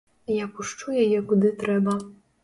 Я пушчу яе куды трэба.